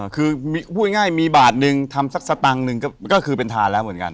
คือพูดง่ายมีบาทหนึ่งทำสักสตังค์หนึ่งก็คือเป็นทานแล้วเหมือนกัน